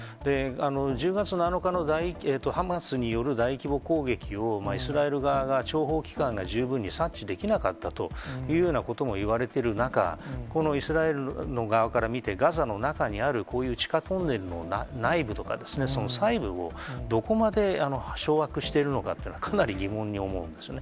１０月７日のハマスによる大規模攻撃を、イスラエル側は諜報機関が十分に察知できなかったというようなこともいわれてる中、このイスラエルの側から見て、ガザの中にあるこういう地下トンネルの内部とかですね、その細部をどこまで掌握してるのかっていうのは、かなり疑問に思うんですよね。